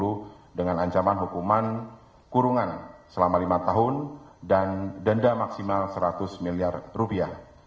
undang undang nomor tiga dua ribu dua puluh dengan ancaman hukuman kurungan selama lima tahun dan denda maksimal seratus miliar rupiah